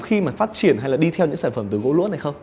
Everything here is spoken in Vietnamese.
khi mà phát triển hay là đi theo những sản phẩm từ gỗ lũa này không